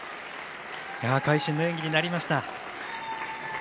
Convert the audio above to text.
会心の演技になりました。